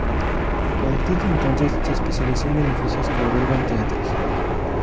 A partir de entonces se especializó en edificios que albergan teatros.